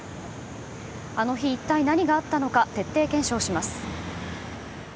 あの日、いったい何があったのか徹底検証します。